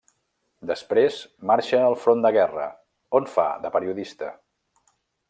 Després, marxa al front de guerra, on fa de periodista.